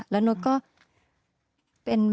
แล้วโน๊ตก็